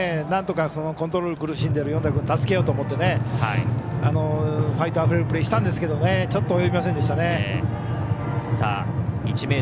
なんとかコントロール苦しんでる米田君を助けようと思ってファイトあふれるプレーしたんですけれどもちょっとおよびませんでしたね。